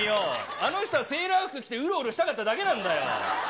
あの人はセーラー服着てうろうろしたかっただけなんだよ。